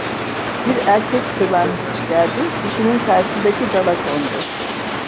Bir erkek kırlangıç geldi, dişinin karşısındaki dala kondu.